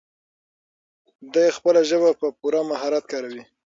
دی خپله ژبه په پوره مهارت کاروي.